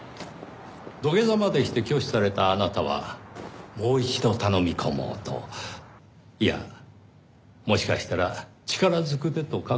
土下座までして拒否されたあなたはもう一度頼み込もうといやもしかしたら力ずくでと考えていたのかもしれません。